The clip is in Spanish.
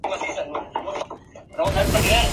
Éste fue el primer film sonoro de Hampden.